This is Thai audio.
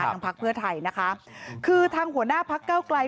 ทางภักดิ์เพื่อไทยนะคะคือทางหัวหน้าภักดิ์เก้าไกล